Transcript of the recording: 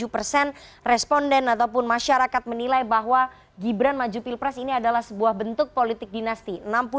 tujuh persen responden ataupun masyarakat menilai bahwa gibran maju pilpres ini adalah sebuah bentuk politik dinasti